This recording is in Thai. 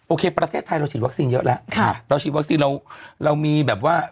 ประเทศไทยเราฉีดวัคซีนเยอะแล้วค่ะเราฉีดวัคซีนเราเรามีแบบว่า